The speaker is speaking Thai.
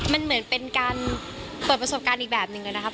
มันเหมือนเป็นการเปิดประสบการณ์อีกแบบหนึ่งนะครับ